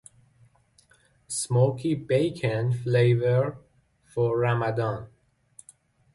Smoky bacon flavour for Ramadan?